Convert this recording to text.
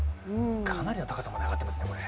かなりの高さまで上がっていますね、これ。